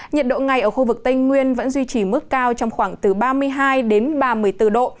nhiệt độ ngày ở khu vực tây nguyên vẫn duy trì mức cao trong khoảng từ ba mươi hai đến ba mươi bốn độ